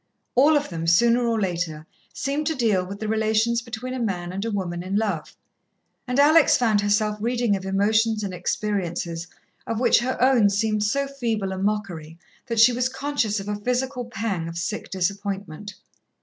All of them, sooner or later, seemed to deal with the relations between a man and a woman in love, and Alex found herself reading of emotions and experiences of which her own seemed so feeble a mockery, that she was conscious of a physical pang of sick disappointment.